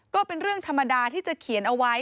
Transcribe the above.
ก็เป็นเรื่องธรรมดาที่จะเขียนเอาไว้